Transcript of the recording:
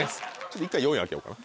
１回４位開けようか。